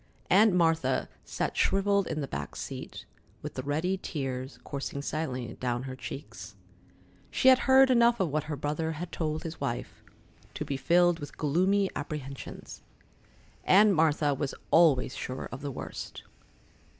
Aunt Martha sat shrivelled in the back seat, with the ready tears coursing silently down her cheeks. She had heard enough of what her brother had told his wife, to be filled with gloomy apprehensions. Aunt Martha was always sure of the worst.